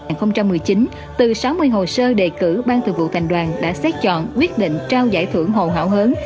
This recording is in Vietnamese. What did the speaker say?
năm hai nghìn một mươi chín từ sáu mươi hồ sơ đề cử ban thực vụ thành đoàn đã xét chọn quyết định trao giải thưởng hồ hảo hớn